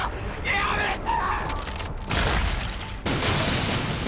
やめて！